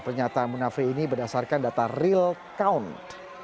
pernyataan munafri ini berdasarkan data real count